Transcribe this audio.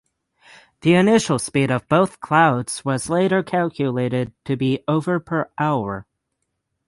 The initial speed of both clouds was later calculated to be over per hour.